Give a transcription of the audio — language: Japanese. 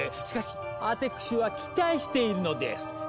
しかしアテクシは期待しているのです！